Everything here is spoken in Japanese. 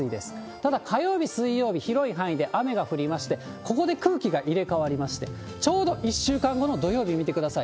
ただ火曜日、水曜日、広い範囲で雨が降りまして、ここで空気が入れ替わりまして、ちょうど１週間後の土曜日見てください。